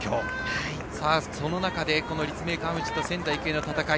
その中で、立命館宇治と仙台育英の戦い。